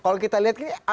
kalau kita lihat ini